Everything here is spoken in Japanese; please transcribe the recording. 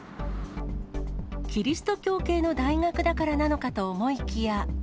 キリスト教系の大学だからなのかと思いきや。